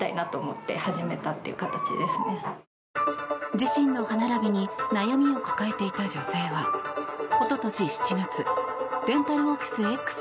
自身の歯並びに悩みを抱えていた女性は一昨年７月デンタルオフィスＸ